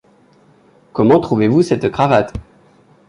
Comment trouvez-vous cette cravate ?